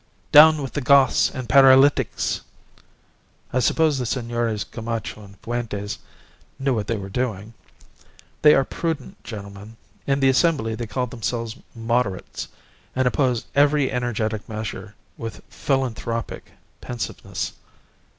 'Down with the Goths and Paralytics.' I suppose the Senores Gamacho and Fuentes knew what they were doing. They are prudent gentlemen. In the Assembly they called themselves Moderates, and opposed every energetic measure with philanthropic pensiveness.